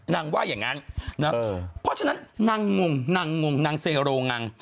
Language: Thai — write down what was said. นางว่าอย่างงั้นนะเพราะฉะนั้นนางงงนางเซโรงัง